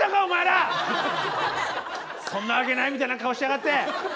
そんなわけないみたいな顔しやがって。